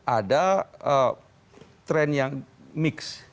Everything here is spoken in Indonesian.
ada tren yang mix